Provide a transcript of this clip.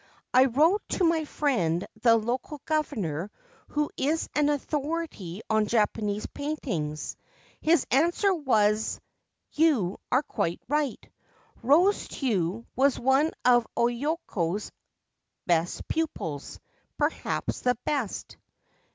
I wrote to my friend the Local Governor, who is an authority on Japanese paintings. His answer was, ' You are quite right : Rosetsu was one of Okyo's best pupils, perhaps the best.'